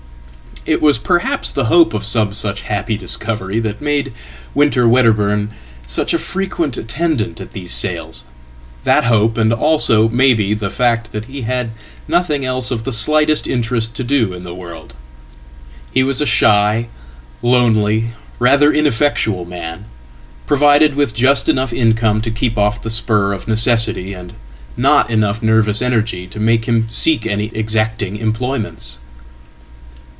It was perhaps the hope of some such happy discovery that made WinterWedderburn such a frequent attendant at these sales that hope, and also, maybe, the fact that he had nothing else of the slightest interest to doin the world. He was a shy, lonely, rather ineffectual man, provided withjust enough income to keep off the spur of necessity, and not enoughnervous energy to make him seek any exacting employments.